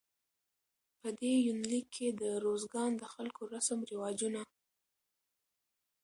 په دې يونليک کې د روزګان د خلکو رسم رواجونه